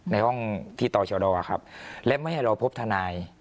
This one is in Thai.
ในห้องที่ต่อชะดอครับและไม่ให้เราพบทนาย